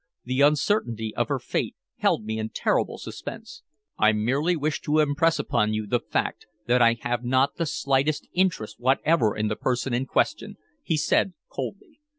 The uncertainty of her fate held me in terrible suspense. "I merely wish to impress upon you the fact that I have not the slightest interest whatsoever in the person in question," he said coldly.